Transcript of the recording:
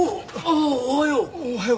ああおはよう。